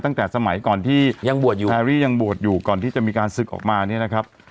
ตั้งแต่สมัยก่อนที่ยังบวชอยู่แพรรี่ยังบวชอยู่ก่อนที่จะมีการศึกออกมาเนี่ยนะครับ